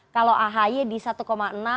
kalau ahy di satu enam